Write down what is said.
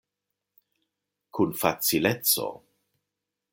Kun facileco.